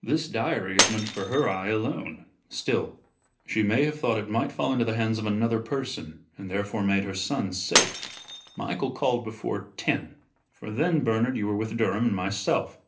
"This diary is meant for her eye alone. Still, she may have thought it might fall into the hands of another person, and therefore made her son safe. Michael called before ten for then, Bernard, you were with Durham and myself.